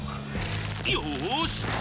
よし！